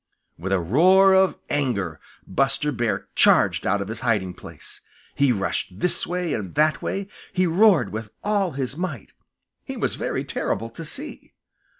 With a roar of anger Buster Bear charged out of his hiding place. He rushed this way and that way! He roared with all his might! He was very terrible to see.